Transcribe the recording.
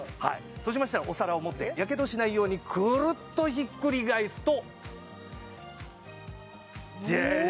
そうしましたらお皿を持ってやけどをしないようにくるっとひっくり返すとジャジャン！